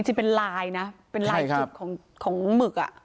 จริงเป็นลายนะเป็นลายจุดของหมึก